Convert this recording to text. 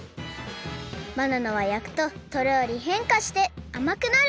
バナナはやくととろりへんかしてあまくなる！